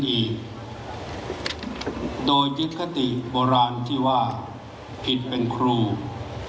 ถือว่าชีวิตที่ผ่านมายังมีความเสียหายแก่ตนและผู้อื่น